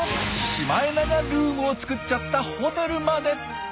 シマエナガルームを作っちゃったホテルまで。